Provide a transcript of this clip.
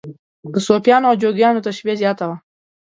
د صوفیانو او جوګیانو تشبیه زیاته وه.